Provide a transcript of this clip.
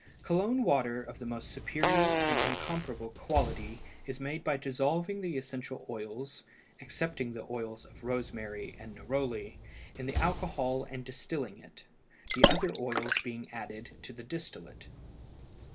Cologne water of the most superior and incomparable quality is made by dissolving the essential oils, excepting the oils of rosemary and neroli, in the alcohol and distilling it, the other oils being added to the distillate.